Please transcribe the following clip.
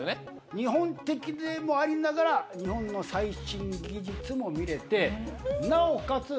日本的でもありながら日本の最新技術も見れてなおかつ